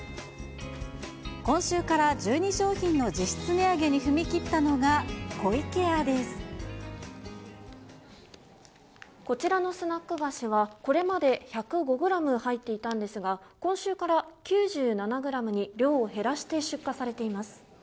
今週から１２商品の実質値上げに踏み切ったのが、こちらのスナック菓子は、これまで１０５グラム入っていたんですが、今週から９７グラムに量を減らして出荷されています。